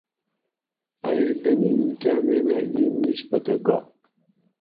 ائ ڈمین کامینہ ایں میش پتہ گا